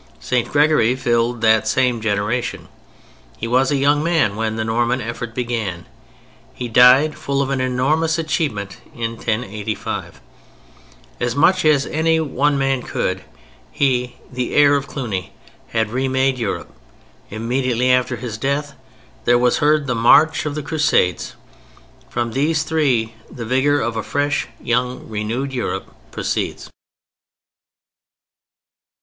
St. Gregory filled that same generation. He was a young man when the Norman effort began. He died, full of an enormous achievement, in 1085. As much as one man could, he, the heir of Cluny, had re made Europe. Immediately after his death there was heard the march of the Crusades. From these three the vigor of a fresh, young, renewed Europe proceeds.